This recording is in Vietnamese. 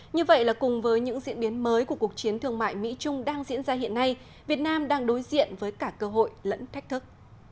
như vậy là cùng với những diễn biến mới của cuộc chiến thương mại mỹ trung đang diễn ra hiện nay việt nam đang đối diện với cả cơ hội lẫn thách thức